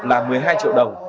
là một mươi hai triệu đồng